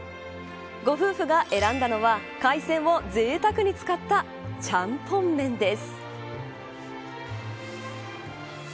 ご夫婦が選んだのは海鮮をぜいたくに使ったちゃんぽん麺です。